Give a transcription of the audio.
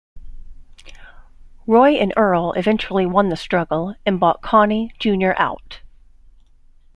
Roy and Earle eventually won the struggle and bought Connie, Junior out.